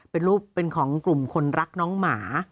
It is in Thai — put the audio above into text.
เป็นรูปเป็นของกลุ่มคนรักน้องหมา